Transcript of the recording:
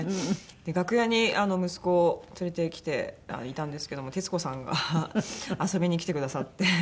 楽屋に息子を連れてきていたんですけども徹子さんが遊びに来てくださって。